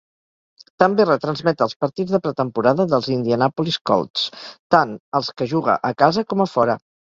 També retransmet els partits de pretemporada dels Indianapolis Colts, tant els que juga a casa com a fora.